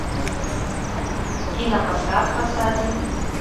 І на пасад пасадзім.